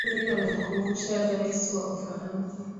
huyu amemkumbusha raisi wa ufaransa